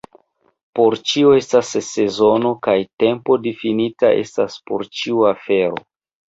Por ĉio estas sezono, kaj tempo difinita estas por ĉiu afero.